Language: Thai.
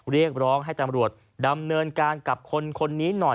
เรียกร้องให้ตำรวจดำเนินการกับคนนี้หน่อย